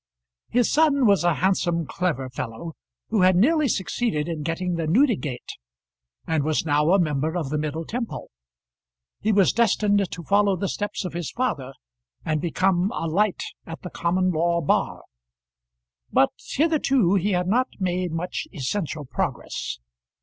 His son was a handsome clever fellow, who had nearly succeeded in getting the Newdegate, and was now a member of the Middle Temple. He was destined to follow the steps of his father, and become a light at the Common Law bar; but hitherto he had not made much essential progress.